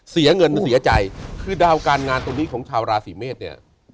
เสียเงินเสียใจคือดาวการงานตรงนี้ของชาวราศีเมษเนี่ย